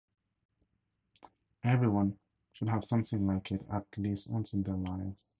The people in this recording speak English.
Everyone should have something like it at least once in their lives.